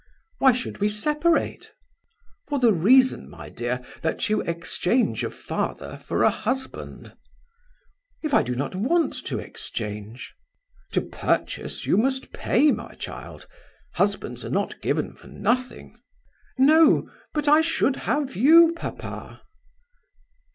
"Why should we separate?" "For the reason, my dear, that you exchange a father for a husband." "If I do not want to exchange?" "To purchase, you must pay, my child. Husbands are not given for nothing." "No. But I should have you, papa!"